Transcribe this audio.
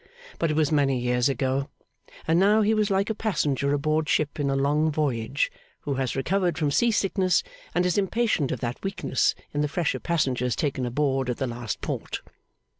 But it was many years ago; and now he was like a passenger aboard ship in a long voyage, who has recovered from sea sickness, and is impatient of that weakness in the fresher passengers taken aboard at the last port.